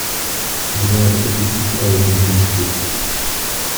C'est une herbe épiphyte avec une tige courte.